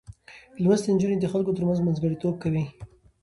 لوستې نجونې د خلکو ترمنځ منځګړتوب کوي.